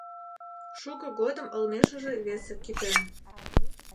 Шуко годым олмешыже весе кӱтен.